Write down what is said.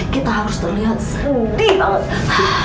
kita harus terlihat sedih loh